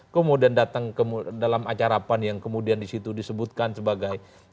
kemudian datang ke dalam acara pan yang kemudian disitu disebutkan sebagai